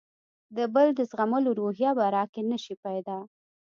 د بل د زغملو روحیه به راکې نه شي پیدا.